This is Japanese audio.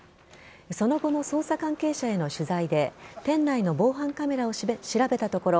その後の捜査関係者への取材で店内の防犯カメラを調べたところ